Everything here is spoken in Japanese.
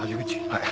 はい。